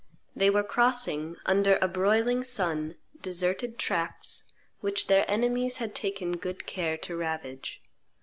They were crossing, under a broiling sun, deserted tracts which their enemies had taken good care to ravage.